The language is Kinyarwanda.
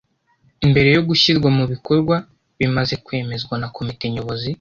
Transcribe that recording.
mbere yo gushyirwa mu bikorwa bimaze kwemezwa na Komite Nyobozi.